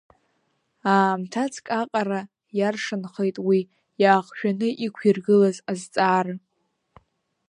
Аамҭацк аҟара иаршанхеит уи иаахжәаны иқәиргылаз азҵаара.